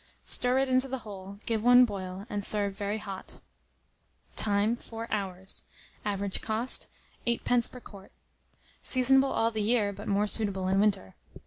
Stir it into the whole, give one boil, and serve very hot. Time. 4 hours. Average cost, 8d. per quart. Seasonable all the year, but more suitable in winter.